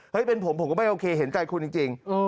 เป็นผมผมก็ไม่โอเคเห็นใจคุณจริง